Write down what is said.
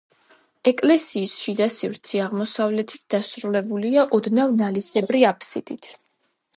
ეკლესიის შიდა სივრცე აღმოსავლეთით დასრულებულია ოდნავ ნალისებრი აფსიდით.